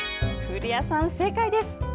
古谷さん、正解です！